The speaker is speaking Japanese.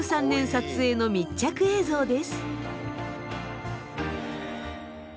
撮影の密着映像です。